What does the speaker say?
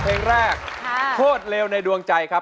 แล้วน้องใบบัวร้องได้หรือว่าร้องผิดครับ